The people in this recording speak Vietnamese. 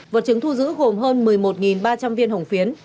vật chứng thu giữ gồm hơn một mươi một ba trăm linh viên hồng phiến